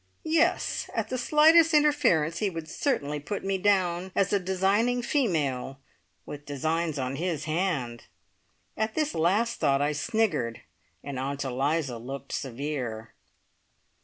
Yes, at the slightest interference he would certainly put me down as a designing female, with designs on his hand. At this last thought I sniggered, and Aunt Eliza looked severe.